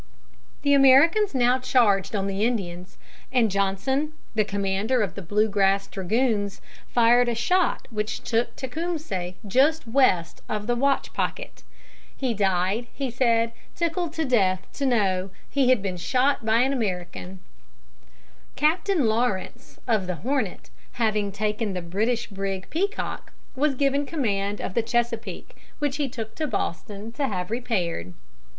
The Americans now charged on the Indians, and Johnson, the commander of the Blue Grass Dragoons, fired a shot which took Tecumseh just west of the watch pocket. He died, he said, tickled to death to know that he had been shot by an American. [Illustration: PROCTOR ON A TALL FOX HUNTER WHICH RAN AWAY WITH HIM.] Captain Lawrence, of the Hornet, having taken the British brig Peacock, was given command of the Chesapeake, which he took to Boston to have repaired.